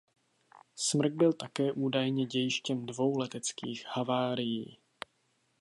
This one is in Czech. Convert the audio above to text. Smrk byl také údajně dějištěm dvou leteckých havárií.